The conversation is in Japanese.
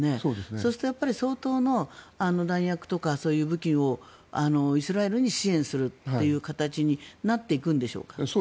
そうすると相当の弾薬とか武器をイスラエルに支援するという形になっていくんでしょうか。